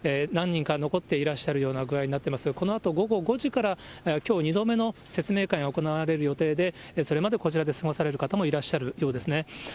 今もですね、この施設の中に乗客の関係者の方、ご家族の方、何人か残っていらっしゃるような具合になってますが、このあと午後５時から、きょう２度目の説明会が行われる予定で、それまでこちらで過ごされる方もいらっしゃるようですね。